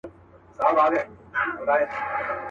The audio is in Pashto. رستمان یې زور ته نه سوای ټینګېدلای.